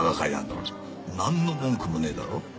なんの文句もねえだろ？